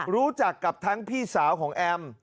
รู้จักกับทั้งพี่สาวของแอม